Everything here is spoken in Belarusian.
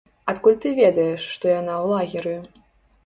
Адкуль ты ведаеш, што яна ў лагеры?